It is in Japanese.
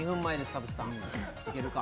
田渕さんいけるか？